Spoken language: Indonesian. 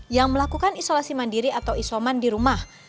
yang melakukan isolasi mandiri atau isoman di rumah